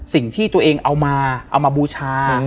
สิ่งที่ตัวเองเอามาเอามาบูชา